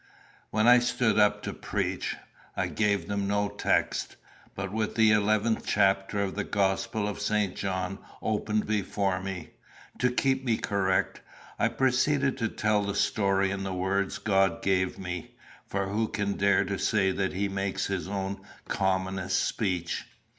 When I stood up to preach, I gave them no text; but, with the eleventh chapter of the Gospel of St. John open before me, to keep me correct, I proceeded to tell the story in the words God gave me; for who can dare to say that he makes his own commonest speech?